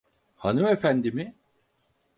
Hanımefendi mi?